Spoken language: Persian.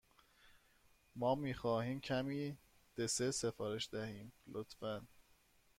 ما می خواهیم کمی دسر سفارش دهیم، لطفا.